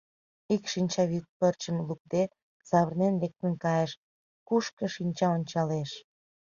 Ик шинчавӱд пырчым лукде, савырнен лектын кайыш — кушко шинча ончалеш.